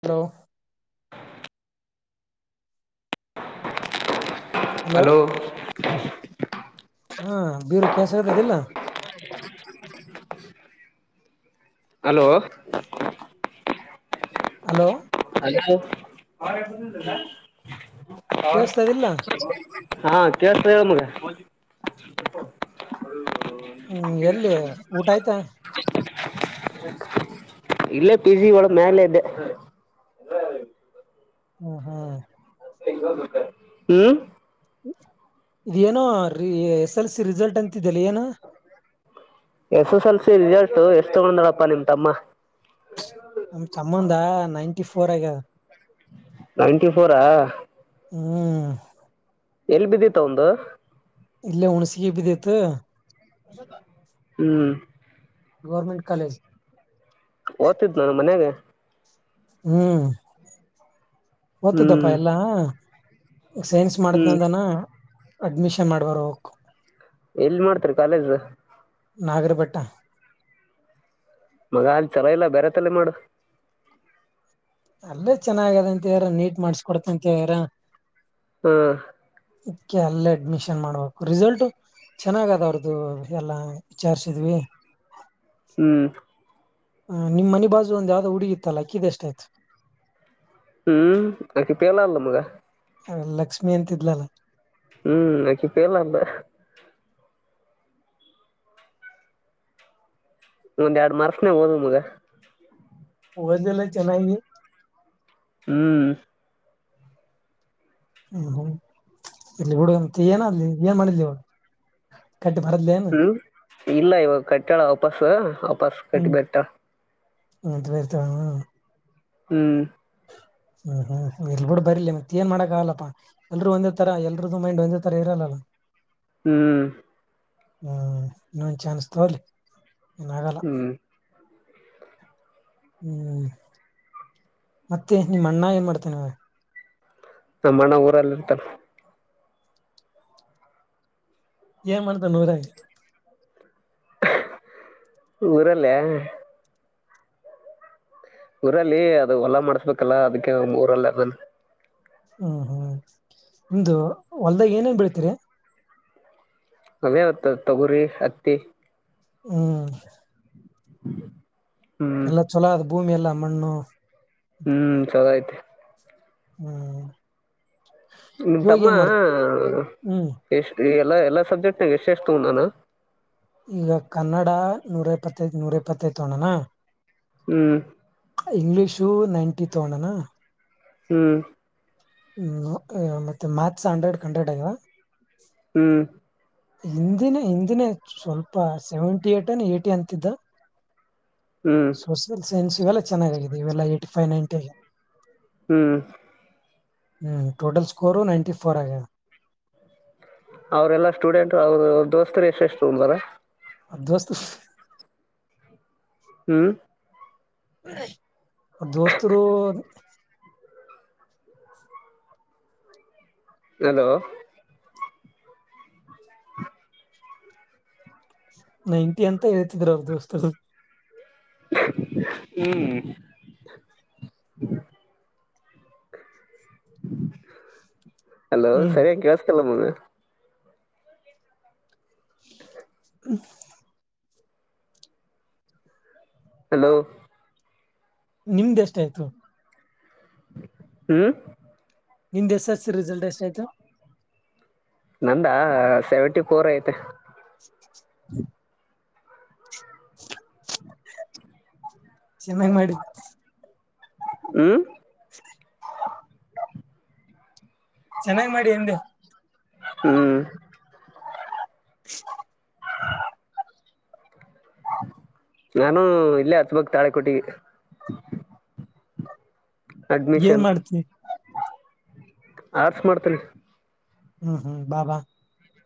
Hello [unintelligible] hello [unintelligible] ಹಾ ಬೀರು ಕೇಳ್ಸತದಿಲ್ಲ ಹಲೋ ಹಲೋ ಕೇಳಸ್ತದಿಲ್ಲ [unintelligible] ಹಾ ಕೆಸ್ ಮಗ ಹ ಹ್ಮ್ ಎಲ್ಲಿ ಊಟ ಆಯ್ತಾ ಇಲ್ಲೇ ಪಿ ಜಿ ಒಳ ಮೇಲೆ ಇದ್ದೆ ಹ್ಮ ಹ್ಮ ಹ್ಮ್ ಹ್ಮ್ ಇದೇನೋ ಎಸ್ ಎಲ್ ಸಿ ರಿಸಲ್ಟ್ ಅಂತಿದಲ್ಲ ಏನ S S L C result ಎಷ್ಟ ತಗೊಂಡ್ರಪ್ಪಾ ನಿಮ್ ತಮ್ಮ ನಮ ತಮ್ಮಂದ ನೈಂಟಿ ಫೋರ್ ಆಗ ನೈನ್ಟಿಫೋರಾ ಹ್ಮ್ ಎಲ್ಲಿ ಬಿದ್ದಿತ ಒಂದು ಇಲ್ಲೇ ಹುಣಸಿಗೆಿ ಬಿದ್ದೈತ್ ಹ್ಮ್ ಗೌರ್ಮೆಂಟ್ ಕಾಲೇಜ್ ಓದ್ತಿದ್ದ ನಾ. ಮನ್ಾಗ ಹ್ಮ್ ಓತದಪ್ಪಾ ಹ್ಮ್ ಎಲ್ಲಾ ಸೈನ್ಸ್ ಹ್ಮ್ ಮಾಡದ್ನಂದನ ಅಡ್ಮಿಷನ್ ಮಾಡಬರಕ್ ಎಲ್ ಮಾಡ್ತರಿ ಕಾಲೇಜ್ ನಾಗರಪಟ್ಟ ಮಗ ಅಲ್ಲಿ ಚಲೋ ಇಲ್ಲ ಬೇರೆ ತಲೆ ಮಾಡು ಅಲ್ಲೇ ಚೆನ್ನಾಗ್ಯದಂತವ್ರ ನೀಟ್ ಮಾಡಸ್ಕ ಕೊಡತಂತವರ ಹ್ಮ್ ಇದಕ್ಕೆ ಅಲ್ಲೇ ಅಡ್ಮಿಷನ್ ಮಾಡ್ಬೇಕು ರಿಸಲ್ಟ್ ಚೆನ್ನಾಗ ಅದ ಅವ್ರದುು ಎಲ್ಲಾ ವಿಚಾರ್ಸಿದ್ವಿ ಹ ಹ್ಮ್ ಹ ನಿಮ್ಮ್ ಮನೆ ಬಾಜು ಒಂದ್ ಯಾವ್ದೋ ಹುಡುಗಿತ್ತಲ್ಲ ಕೀಿದೆ ಎಷ್ಟ ಆಯ್ತು ಹ್ಮ್ ಆಕಿ ಪಿಯಲ್ಲ ಆಲ್ಲ ಮಗ ಲಕ್ಷ್ಮಿ ಅಂತಿದ್ಲಲ್ಲ ಹ್ಮ್ ಆಕಿ ಫೀಲತ್ಲು ಒಂದ್ ಎರಡು ಮರ್ಷನ ಹೋದ ಮಗ ಉಗದಲ್ಲ ಚೆನ್ನಾಗಿ ಹ್ಮ್ ಹ್ಮ ಹ್ಮ್ ಇಲ್ಲಿ ಹುಡುಗಂತ ಏನ ಅಲಿ ಏನ್ ಮಾಡಿದ್ಲಿ ಅವರು ಹ್ಮ ಇಲ್ಲ ಇವಾಗ ಕಟ್ಟಳ ವಾಪಸ್ ವಾಪಸ್ ಕಟ್ಟಿಬಟ್ಟಳ ಹಂತ ಬೇರ್ ತರ [unintelligible] ಹ್ಮ್ ಹ್ಮ್ ಹ್ಮ್ ಇಲ್ ಬಿೂಡ ಬರ್ಲಿ ಮತ್ತೆ ಏನ್ ಮಾಡಕ್ ಆಗಲ್ಲಪ್ಪಾ ಎಲ್ರು ಒಂದೇ ತರ ಎಲ್ರದದು ಮೈಂಡ್ ಒಂದೇ ತರ ಇರ [inaudible] ಹ್ಮ್ ಹ್ಮ್ ಇನ್ನೊಂದ ಚಾನ್ಸ್ ತಗಲಿ ಏನಾಗಲ್ಲ ಹ್ಮ್ ಹ್ಮ್ ಮತ್ತೆ ನಿಮ್ಮ ಅಣ್ಣ ಏನ್ ಮಾಡ್ತೇನೆ ಅವ್ರ ನಮ್ಮ ಮಣ್ಣ ಊರಲ್ಲಿಟಾರ ಏನ್ ಮಾಡ್ತ ನೂರ ಊರಲ್ಲಿೇ [unintelligible] ಊರಲ್ಲಿ ಅದು ಹೊಲಾ ಮಾಡ್ಸ್ಬೇಕಲ್ಲ ಅದಕ್ಕೆ ಊರಲ್ಲದನ್ ಹ್ಮ್ ಹ್ಮ್ ನಿಮ್ದು ಹೊಲ್ದಾಗ ಏನೇನ್ ಬೀಳ್ತೀರಿ ಅವೇಾವತ್ ತೊಗುರಿ ಹತ್ತಿ ಹ್ಮ್ ಹ್ಮ ಎಲ್ಲಾ ಚಲೋ ಅದು ಭೂಮಿ ಎಲ್ಲ ಮಣ್ಣು ಹ್ಮ್ ಚಲ ಆ್ತು ಹ್ಮ್ ನಿಮ ಇವಾಗ ತಮ್ಮ ಏನ್ ಮಾಡ್ತಿ ಹ್ಮ್ ಎಷ್ಟ ಎಲ್ಲ ಎಲ್ಲಾ ಸಬ್ಜೆಕ್ಟ್ ನ ಎಶೇ ಇಷ್ಟ ತ ನಾನ ಈಗ ಕನ್ನಡ ನೂರ ಎಪ್ಪತ್ತೈದು ನೂರ ಎಪ್ಪತ್ತೈ ತ ತೋಣನಾ ಹ್ಮ್ ಇಂಗ್ಲೀಷು ನೈಂಟಿ ತಗೊಂಡಣ ಹ್ಮ್ ಹ್ಮ್ ಮತ್ತೆ ಮ್ಯಾಕ್ಸ್ ಹಂಡ್ರೆಡ್ ಕಂಡ್ರೆಡ್ ಆಗದ ಹ್ಮ್ ಹಿಂದಿನೇ ಹಿಂದಿನೇ ಸ್ವಲ್ಪ ಸೆವೆಂಟಿ ಏಟ್ ಅನ ಏಟಿ ಅಂತಿದ್ದ ಹ್ಮ್ ಸೋಷಿಯಲ್ ಸೈನ್ಸ್ ಇವೆಲ್ಲ ಚೆನ್ನಾಗಾಗಿದೆ ಇವೆಲ್ಲಾ ಏ್ಟಿ ಫೈವ್ ನೈನ್ಟಿ ಆಗ ಹ್ಮ್ ಹ್ಮ್ ಟೋಟಲ್ ಸ್ಕೋರು ನೈನ್ಟಿ ಫೋರ್ ಆಗ ಅವ್ರಲ್ಲಾ ಸ್ಟೂಡೆಂಟ್ ಅವರು ದೋಸ್ತರು ಎಷ್ಟು ಎಷ್ಟು ತಬಾರ ಅರ್ಧವಸ್ತ ಹ್ಮ್. ದೋಸ್ತರು. ಅಲೋ. ನೈಂಟಿ ಅಂತ ಹೇಳ್ತಿದ್ರ ಅವ ದೋಸ್ತ. ಹ್ಮ್. ಹಲೋ ಹ್ಮ್ ಸರಿಯ ಕಳ್ಸಕಲ್ಲಮ್ಮ. ಹ್ಮ. ಹಲೋ. ನಿಮ್ದ ಎಷ್ಟ ಆಯ್ತು. ಹ್ಮ್. ನಿಮ್ದ್ ಎಸ್ ಎಸ್ ಸಿ ರಿಸಲ್ಟ್ ಎಷ್ಟಾಯ್ತು. ನಂದ ಸೆವೆಂಟಿ ಫೋರ್ ಐತೆ ಹ್ಮ. ಚೆನ್ನಾಗಿ ಮಾಡಿ. ಹ್ಮ್. ಚೆನ್ನಾಗ್ ಮಾಡಿ ನಿಂದು. ಹ್ಮ್. ಹ್ಮ್ಮ್. ನಾನು ಇಲ್ಲೇ ಹಚ್ಬಕ್ ತಾಳೆ ಕೊಟ್ಟ. ಏನ್ ಮಾಡ್ತಿ. ಆರ್ಟ್ಸ್ ಮಾಡ್ತೇನಿ. ಹ್ಮ್ ಹ್ಮ್ ಬಾಬಾ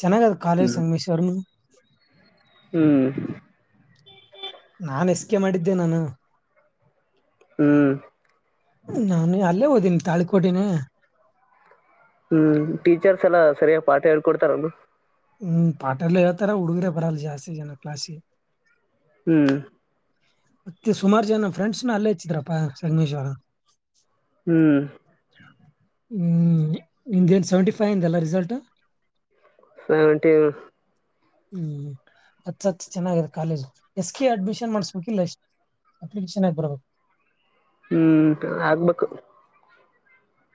ಚೆನ್ನಾಗ ಅದ ಕಾಲೇಜ್ ಸಂಗಮೇಶ್ವರ್ನು. ಹ್ಮ್. ನಾನು ಎಸ್ ಕೆ ಮಾಡಿದ್ದೆ ನಾನು. ಹ್ಮ್. ನಾನು ಅಲ್ಲೇ ಓದೀನಿ ತಾಳಿಕೋಟಿನೇ. ಹ್ಮ್ ಟೀಚರ್ಸ್ ಎಲ್ಲ ಸರಿಯಾಗಿ ಪಾಠ ಹೇಳ್ಕೊಡ್ತಾರ ಅವರು. ಹ್ಮ್ ಪಾಠ ಎಲ್ಲ ಹೇಳ್ತಾರ ಹುಡುಗರ ಬರಲ್ಲ ಜಾಸ್ತಿ ಜನ ಕ್ಲಾಾಸಿಗೆ. ಹ್ಮ್. ಮತ್ತೆ ಸುಮಾರು ಜನ ಫ್ರೆಂಡ್ಸ್ನು ಅಲ್ಲೇ ಇಚ್ಚಿದ್ರಪ್ಪ ಸಗಮೇಶ್ವರ. ಹ್ಮ್. ಹ್ಮ್ ನಿ್ದೇನ್ ಸೆವೆಂಟಿ ಫೈವ್ ಇಂದ ಅಲ್ಲ ರಿಸಲ್ಟ್. ಸೆವೆಂಟಿ. ಹ್ಮ್ ಅತ್ ಹತ್ ಚೆನ್ನಾಗಿದೆ ಕಾಲೇಜು ಎಸ್ ಕೆ ಅಡ್ಮಿಷನ್ ಮಾಡ್ಸ್ಬೇಕಿಲ್ಲ ಎಷ್ಟ, ಅಪ್ಲಿಕೇಶನ್ ಬರಬೇಕ. ಹ್ಮ್ ಆಗ್ಬೇಕು.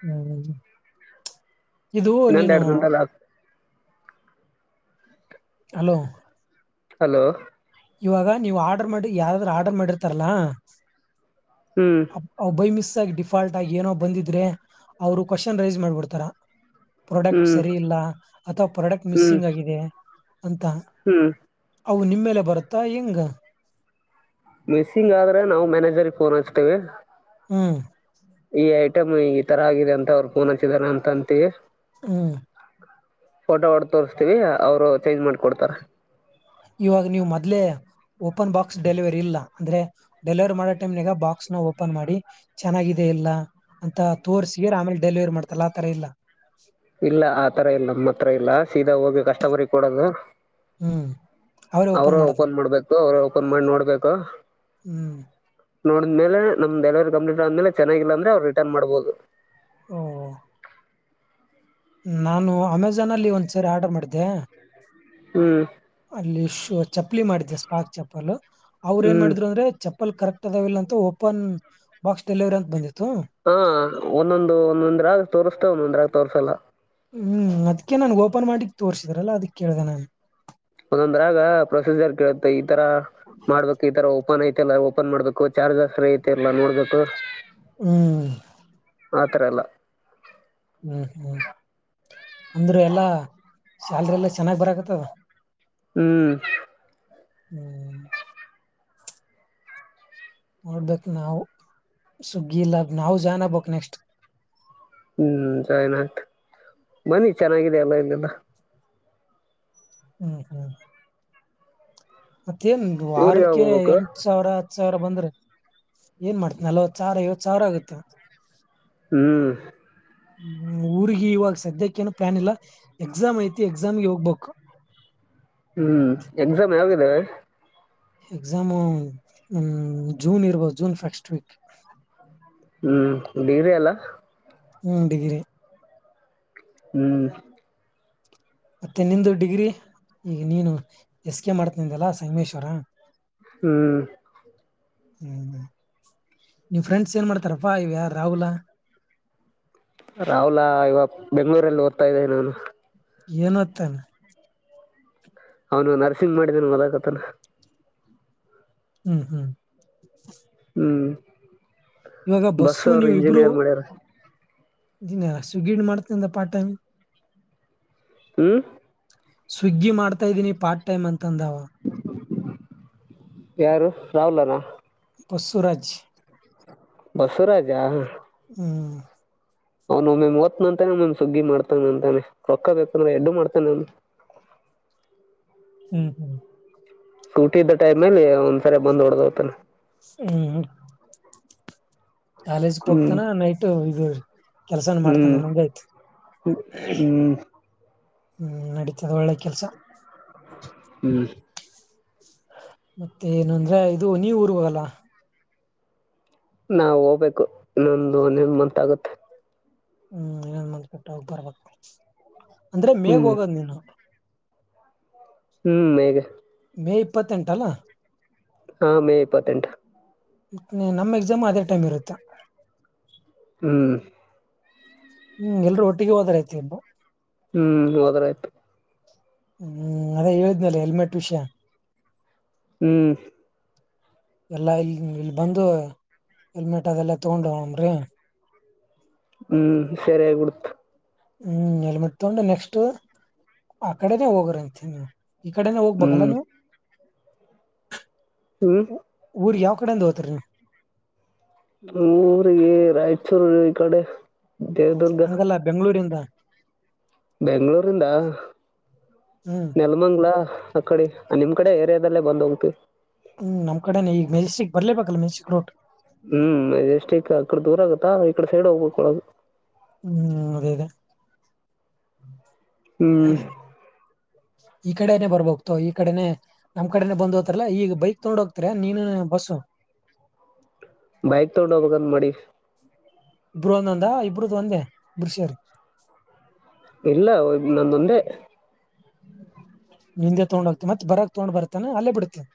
ಹ್ಮ ಇದು ಇನ್ನೊಂದ್ ನೀನು. ಎರಡು ದಿನದಲ್ಲಿ ಆಗ್ ಹಲೋ. ಹಲೋ. ಇವಾಗ ನೀವ್ ಆರ್ಡರ್ ಮಾಡಿ ಯಾರಾದ್ರರು ಆರ್ಡರ್ ಮಾಡಿರ್ತಾರಲ್ಲಾ. ಹ್ಮ್ ಭೈ ಮಿಸ. ಡಿಫಾಲ್ಟ್ ಆಗಿ ಏನೋ ಬಂದಿದ್ರೆ ಅವ್ರು ಕ್ವಶನ್ ರೈಸ್ ಮಾಡ್ಬಿಡ್ತಾರ. ಪ್ರಾಡಕ್ಟ್ ಹ್ಮ್ ಸರಿ ಇಲ್ಲ ಅಥವಾ ಪ್ರಾಡಕ್ಟ್ ಹ್ಮ್ ಮಿಸ್ಸಿಂಗ್ ಆಗಿದೆ. ಅಂತ ಹ್ಮ್ ಅವು ನಿಮ್ಮೇಲೆ ಬರುತ್ತಾ ಹೆಂಗ. ಮಿಸ್ಸಿಂಗ್ ಆದ್ರೆ ನಾವು ಮ್ಯಾನೇಜರ್ ಫೋನ್ ಹಚ್ತೇವಿ. ಹ್ಮ್. ಈ ಐಟಮ್ ಈ ತರ ಆಗಿದೆ ಅಂತ ಅವರು ಪೂನ ಚಿದರ ಅಂತಂತ. ಹ್ಮ. ಫೋಟೋ ಹೊಡ ತೋಸ್ತೀವಿ ಅವರು ಚೇಂಜ್ ಮಾಡ್ಕೊಡ್ತಾರ. ಇವಾಗ ನೀವು್ ಮದ್ಲೆೇ ಓಪನ್ ಬಾಕ್ಸ್ ಡೆಲಿವರಿ ಇಲ್ಲ ಅಂದ್ರೆ ಡೆಲಿವರಿ ಮಾಡೋ ಟೈಮ್ನಗ ಬಾಕ್ಸ್ ನ ಓಪನ್ ಮಾಡಿ ಚೆನ್ನಾಗಿದೆ ಇಲ್ಲ ಅಂತ ತೋರ್ಸ ಆಮೇಲೆ ಡೆಲಿವರಿ ಮಾಡ್ತಾರ ಆತರ ಇಲ್ಲ ಇಲ್ಲ ಆತರ ಇಲ್ಲ ನಮ್ಮ ಹತ್ರ ಇಲ್ಲ ಸೀದಾ ಹೋಗಿ ಕಷ್ಟ ಬರಿ ಕೊಡದು ಹ್ಮ್ ಅವರೇ ಓಪನ್ ಮಾಡ್ಬೇಕು ಅವ್ರೇ ಓಪನ್ ಮಾಡಿ ನೋಡ್ಬೇಕ ಹ್ಮ್ ನೋಡಿದ್ಮೇಲೆ ನಮ್ ಡೆಲಿವರಿ ಕಂಪ್ಲೀಟ್ ಆದ್ಮೇಲೆ ಚೆನ್ನಾಗಿಲ್ಲ ಅಂದ್ರೆ ಅವ್ ರಿಟರ್ನ್ ಮಾಡ್ಬಹದು ಹ್ಮ ನಾನು ಅಮೆಜಾನ್ ಅಲ್ಲಿ ಒಂದ್ ಸರಿ ಆರ್ಡರ್ ಮಾಡಿದ್ದೆ ಹ್ಮ್ ಅಲ್ಲಿ ಚಪ್ಪಲಿ ಮಾಡಿದ್ದ ಸ್ಪಾಕ್ ಚಪ್ಪಲ್ ಅವ್ರು ಏನ್ ಹ್ಮ್ ಮಾಡಿದ್ರು ಅಂದ್ರೆ ಚಪ್ಪಲ್ ಕರೆಕ್ಟ್ ಲ್ಲ ಅಂತ ಓಪನ್ ಬಾಕ್ಸ್ ಡೆಲಿವರಿ ಅಂತ ಬಂದಿತ್ತು ಹಾ ಒಂದೊಂದು ಒಂದೊಂದ್ರಾಗ ತೋರ್ಸ್ತ ಒಂದೊಂದ್ರಾಗ ತೋರ್ಸಲ್ಲ ಹ್ಮ್ ಅದಕ ನನ್ ಓಪನ್ ಮಾಡಿಕ್ ತೋರ್ಸಿದ್ರಲ್ಲ ಅದಿ ಕೇಳ್ದ ನಾನು ಒಂದೊಂದ್ರಾಗ ಪ್ರೊಸೀಜರ್ ಕೇಳುತ್ತೆ ಈ ತರ ಮಾಡ್ಬೇಕು ಈ ತರ ಓಪನ್ ಐ್ತ ಲ್ಲ ಓಪನ್ ಮಾಡ್ಬೇಕು ಚಾರ್ಜರ್ ಫ್ರೀ ಐತಿ ಇಲ್ಲಾ ನೋಡ್ಬೇಕು ಹ್ಮ್ ಆತ್ರರ ಅಲ್ಲ ಹ್ಮ್ ಹ್ಮ್ ಅಂದ್ರೆ ಎಲ್ಲಾ ಶಲ್ರಿ ಎಲ್ಲಾ ಚೆನ್ನಾಗ್ ಬರಕತ್ತದ ಹ್ಮ್ ಹ್ಮ್ ನೋಡ್ಬೇಕೇಕ್ ನಾವವು ಸುಗ್ಗಿ ಇಲ್ಲ ನಾವವು ಜನ್ ಆಗ್ಬಕ್ ನೆಕ್ಸ್ಟ್ ಹ್ಮ್ ಜೈನ್ ಆಗ್ತ ಬನ್ನಿ ಚೆನ್ನಾಗಿದೆ ಎಲ್ಲ ಇಲ್ಲಲ್ಲ ಹ್ಮ್ ಹ್ಮ್ ಮತ್ತೇನ್ ಊರಿಗೆ ವಾರಕ್ಕೆ ಯಾವಾಗ ಎಂಟ ಹೋಗ್ಬೇಕು ಸಾವಿರ ಹ ಸಾವಿರ ಬಂದ್ರೆ ಏನ್ ಮಾಡ್ತನಿ ನಲವತ್ತು ಸಾವಿರ ಐವತ್ತು ಸಾವಿರ ಆಗುತ್ತೆ ಹ್ಮ್ ಹ್ಮ ಊರ್ಗ ಇವಾಗ ಸದ್ಯಕ್ಕ ಏನು ಪ್ಲಾನ್ ಇಲ್ಲ ಎಕ್ಸಾಮ್ ಐತಿ ಎಕ್ಸಾಮ್ಗೆ ಹೋಗ್ಬೇಕು [unintelligible] ಹ್ಮ್ ಎಕ್ಸಾಮ್ ಯಾವಾಗ ಇದಾವೆ ಎಕ್ಸಾಮು ಜೂನ್ ಇರ್ಬೋದು ಜೂನ್ ಫಸ್ಟ್ ವೀಕ್ ಹ್ಮ್ ಡಿಗ್ರಿ ಅಲ್ಲ ಹ್ಮ ಡಿಗ್ರಿ ಹ್ಮ್ ಮತ್ತೆ ನಿಂದು ಡಿಗ್ರಿ ಈಗ ನೀನು ಎಸ್ ಕೆ ಮಾಡ್ತನಿಂದಲ್ಲಾ ಸಂಮೇಶ್ವರ ಹ್ಮ್ ಹ್ಮ್ ಹ್ಮ್ ನಿವ್ ಫ್ರೆಂಡ್ಸ್ ಏನ್ ಮಾಡ್ತಾರಪ್ಪಾ ಇವ ಯಾರ ರಾಹುಲ್ಾ [unintelligible] ರಾಹುಲಾ ಇವ ಬೆಂಗ್ಗಳೂರಲ್ಲಿ ಓದ್ತಾ ಇದ್ದೆ ನಾನು ಏನು ಹೊತ್ತನೆ ಅವನು ನರ್ಸಿಂಗ್ ಮಾಡಿದನ್ ಮೊದಕತಾನ ಹ್ಮ್ ಹ್ಮ್ ಹ್ಮ್ ಇವಾಗ ಬಸ್ ಅವರು ಇಂಜಿನಿಯರ್ ಮಾಡ್ಯಾರ ದಿನ ಸು ಗಿಡ್ ಮಾಡ್ತಂದ ಪಾಟ ಹ್ಮ್ ಸ್ವಿಗ್ಗಿ ಮಾಡ್ತಾ ಇದೀನಿ ಪಾರ್ಟ್ ಟೈಮ್ ಅಂತಂದಾವ ಯಾರು ರಹುಲ್ನಾ ಬಸರಾಜ್ ಬಸವರಾಜ ಹ್ಮ್ ಅವ್ನು್ ಓದ್ನ ಅಂತಾನೇ್ ಸುಗ್ಗಿ ಮಾಡ್ತಾನ ಅಂತಾನೆ ರೊಕ್ಕ ಬೇಕಂದ್ರೆ ಎಡ್ಡು ಮಾಡ್ತಾನ ಅವನು [unintelligible] ಹ್ಮ ಹ್ಮ ಸೂಟಿ ಇದ್ದ ಟೈಮ್ ನಲ್ಲಿ ಒಂದ್ಸರಿ ಬಂದ್ ಹೊಡದ್ಹೋಗ್ತಾನೆ. ಅಂ ಹ್ಮ ಕಾಲೇಜಗ್ ಹ್ಮ್ ಹೋಗ್ತಾನ ನೈಟೆ [unintelligible] ಕೆಲ್ಸಾನು ಹ್ಮ್ ಮಾಡ್ತಾನಾನಂಗ್ ಆಯ್ತು. ಹ್ಮ್ ಹ್ಮ ನಡಿತದ ಒಳ್ಳೆ ಕೆಲ್ಸಾ. ಹ್ಮ ಮತ್ತೆ ಏನು ಅಂದ್ರೆ ಇದು ನೀವು ಊರಿಗೋಗೊಲ್ಲಾ. ನಾವ್ ಓಗ್ಬೇಕು ಇನ್ನೊಂದು ಒಂದೆನ್ ಮಂತಾಗುತ್ತೆ. ಹ್ಮ ಇನ್ನೊಂದ್ ಮಂತ್ ಬಿಟ್ ಹೋಗಿ ಬರಬೇಕ್ ಅಂದ್ರೆ ಮೇಗೊ ಹ್ಮ್ ಹೋಗೊದ್ ನೀನು. ಹ್ಮ ಮೇಗೆ. ಮೇ ಇಪ್ಪತ್ತೆಂಟ್ ಅಲ್ಲಾ. ಹಾಂ ಮೇ ಇಪ್ಪತ್ತೆಂಟ್. ಮತ್ ನಿ ನಮ್ ಎಗ್ಜಾಮು ಅದೇ ಟೈಮ್ ಇರುತ್ತೆ. ಹ್ಮ. ಹ್ಮ್ ಎಲ್ರೂ ಒಟ್ಟಿಗೆ ಹೋದರ ಆಯ್ತ್ ಎಲ್ಲಾ. ಹ್ಮ್ ಹೋದ್ರ ಆಯ್ತು. ಹ್ಮ್ ಅದೇ ಹೇಳಿದ್ನೆಲ್ಲ ಹೆಲ್ಮೆಟ್ ವಿಷ್ಯಾ ಹ್ಮ್. ಎಲ್ಲಾ ಇಲ್ ಇಲ್ ಬಂದು ಹೆಲ್ಮೆಟ್ ಅದೆಲ್ಲ ತಗೊಂಡ ಹೋಗುಮ್ನ್ರಿ. ಹ್ಮ್ ಸರಿ ಆಗಿ ಬಿಡ್ತ. ಹ್ಮ್ ಹೆಲ್ಮಿಟ್ ತೊಗೊಂಡ ನೆಕ್ಸ್ಟ್ ಆ ಕಡೆನ ಹೋಗಿರಂತ ಹ್ಮ್. ಈ ಕಡೆನೆ ಹೋಗ್ಬೇಕಲ್ಲ ಹ್ಮ್ ನೀವು ಹ್ಮ್ ಊ ಊರಿಗೆ ಯಾವ ಕಡೆಯಿಂದ ಹೋಯ್ತಿರಿ ನೀವ? ಊರಿಗೆ ರಾಯ್ಚೂರು ಇಕಡೆ. ಹಂಗಲ್ಲ ಬೆಂಗಳೂರಿಂದ ಬೆಂಗಳೂರಿಂದ ಹ್ಮ್ ನೆಲಮಂಗಲ ಅಕ್ಕಡೆ ನಿಮ್ ಕಡೆ ಏರಿಯಾದಲ್ಲೇ ಬಂದ್ ಹೋಗ್ತಿವಿ. ಹ್ಮ್ ನಮ್ ಕಡೆನೆ ಈಗ ಮೆಜಿಸ್ಟಿಕ್ ಬರ್ಲೆ ಬೇಕಲ್ಲ ಮೆಜಿಸ್ಟಿಕ್ ರೂಟು ಹ್ಮ್ ಮೆಜೆಸ್ಟಿಕ್ ಆಕಡೆ ದೂರ ಆಗತ್ತಾ ಇಕಡೆ ಸೈಡ್ ಹೋಗ್ಬೇಕ್ ಒಳಗ ಹ್ಮ್ ಅದೇದೇ. ಹ್ಮ್. [unintelligible] ಈ ಕಡೆನೆ ಬರ್ಬೇಕ ತೊಗೋ ಈ ಕಡೆನೆ ನಮ್ ಕಡೆನೆ ಬಂದ ಹೋತಿರಲ್ಲ ಈಗ ಬೈಕ್ ತೊಗೊಂಡು ಹೋಗ್ತೀರ ನೀನು ಬಸ್ಸು [unintelligible] ಬೈಕ್ ತೊಗೊಂಡ ಹೋಗ್ಬೇಕ ಅಂತ ಮಾಡಿವಿ. ಇಬ್ರು ಒಂದೊಂದ ಇಬ್ಬರುದು ಒಂದೆ ಇಬ್ರೂ ಸೇರಿ ಇಲ್ಲ, ನಂದೊಂದೇ. ಹಿಂದೆ ತಗೊಂಡ್ ಹೋಗ್ತಿವಿ ಮತ್ತತ್ ಬರಕ್ ತಗೊಂಡ್ ಬರ್ತಾನ ಅಲ್ಲೇ ಬಿಡ್ತೇನ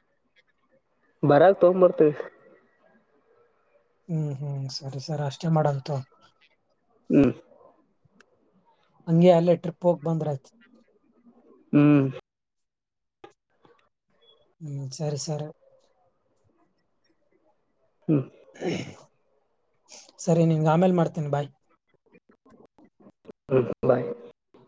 ಬರಾಗ ತೊಗಂಬರ್ತವಿ ಹ್ಮ್ ಹ್ಮ್ ಸರಿ ಸರ್ ಅಷ್ಟೇ ಮಾಡೋಣ ತೊಗೋ. ಹ್ಮ್ ಹಂಗೆ ಅಲ್ಲೇ ಟ್ರಿಪ್ ಹೋಗ್ ಬಂದ್ರತ್ ಹ್ಮ್ ಹ್ಮ್ ಸರಿ ಸರಿ ಹ್ಮ್ ಸರಿ ನಿನ್ಗ ಆಮೇಲೆ ಮಾಡ್ತೀನಿ ಬಾಯ್ [inaudible]